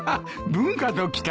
文化ときたか。